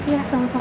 ya selamat siang